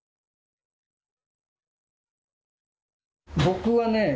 僕はねえ